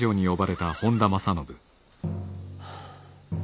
はあ。